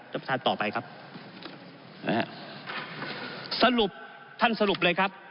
ประธานต่อไปครับนะฮะสรุปท่านสรุปเลยครับ